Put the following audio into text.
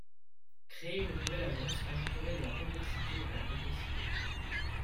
Créer une nouvelle agence ajouterait de la complexité à la complexité.